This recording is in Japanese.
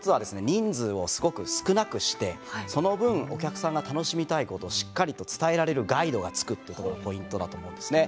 人数をすごく少なくしてその分お客さんが楽しみたいことをしっかりと伝えられるガイドがつくってことポイントだと思うんですね。